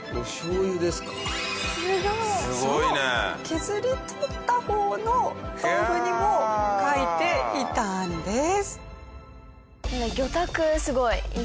削り取った方の豆腐にも描いていたんです。